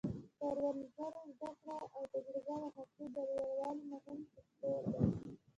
د کروندګرو زده کړه او تجربه د حاصل د لوړوالي مهم فکتور دی.